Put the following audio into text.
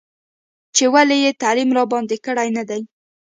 چې ولې یې تعلیم راباندې کړی نه دی.